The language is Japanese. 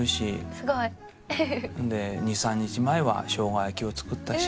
すごい！２３日前はしょうが焼きを作ったし。